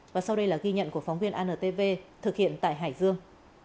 và sau đây là ghi nhận của phóng viên antv thực hiện tại hải dương